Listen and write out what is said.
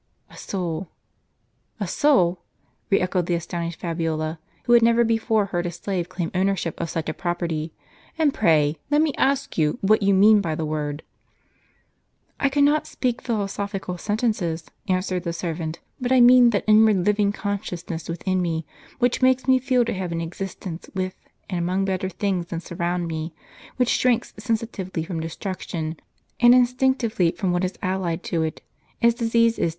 "" A soul." "A soul!" re echoed the astonished Fabiola, who had never before heard a slave claim ownership of sucli a property. " And pray, let me ask you, what you mean by the word ?"" I cannot speak philosophical sentences," answered the servant, "but I mean that inward living consciousness within me, which makes me feel to have an existence with, and among, better things than surround me, which shrinks sensi tively from destruction, and instinctively from what is allied to it, as disease is